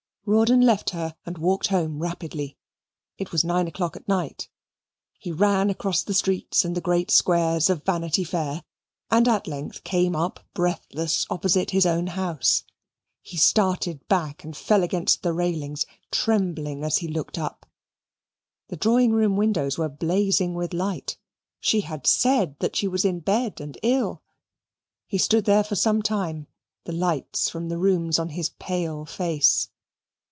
Rawdon left her and walked home rapidly. It was nine o'clock at night. He ran across the streets and the great squares of Vanity Fair, and at length came up breathless opposite his own house. He started back and fell against the railings, trembling as he looked up. The drawing room windows were blazing with light. She had said that she was in bed and ill. He stood there for some time, the light from the rooms on his pale face.